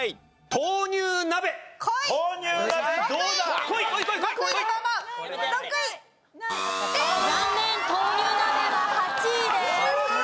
豆乳鍋は８位です。